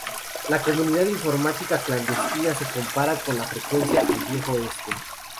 La comunidad informática clandestina se compara con frecuencia al Viejo Oeste.